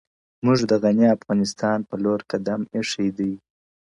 موږ د غني افغانستان په لور قدم ايښی دی,